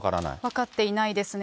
分かっていないですね。